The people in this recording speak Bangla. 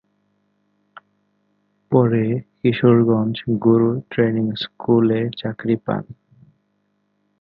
পরে কিশোরগঞ্জ 'গুরু ট্রেনিং' স্কুলে চাকুরী পান।